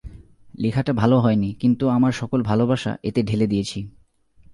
লেখাটা ভাল হয়নি, কিন্তু আমার সকল ভালবাসা এতে ঢেলে দিয়েছি।